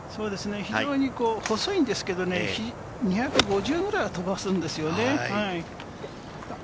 非常に細いんですけれど、２５０ぐらいは飛ばすんですよね。